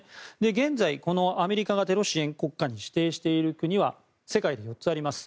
現在、アメリカがテロ支援国家に指定している国は世界で４つあります。